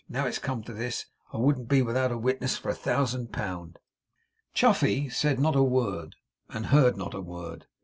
Now it's come to this, I wouldn't be without a witness for a thousand pound.' Chuffey said not a word, and heard not a word.